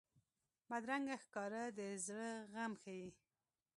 بدرنګه ښکاره د زړه غم ښيي